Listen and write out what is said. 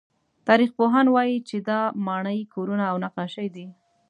تاریخپوهان وایي چې دا ماڼۍ، کورونه او نقاشۍ دي.